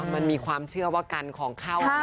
มันมีความเชื่อว่ากันของเข้า